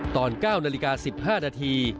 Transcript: ตอน๙นาฬิกา๑๕นาที